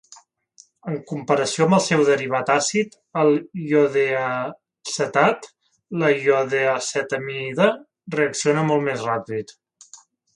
En comparació amb el seu derivat àcid, el iodeacetat, la iodeacetamida reacciona molt més ràpid.